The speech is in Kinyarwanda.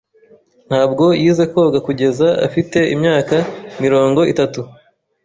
ntabwo yize koga kugeza afite imyaka mirongo itatu.